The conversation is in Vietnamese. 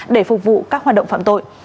để phục vụ các hoạt động phạm tội